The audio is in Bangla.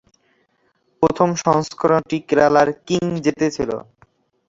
প্রথম সংস্করণটি কেরালার কিং জিতেছিল।